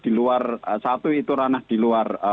di luar satu itu ranah di luar